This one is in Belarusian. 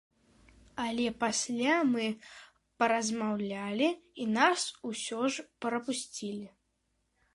Але пасля мы паразмаўлялі, і нас усё ж прапусцілі.